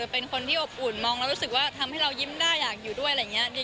เป็นคนที่อบอุ่นมองแล้วรู้สึกว่าทำให้เรายิ้มได้อยากอยู่ด้วยอะไรอย่างนี้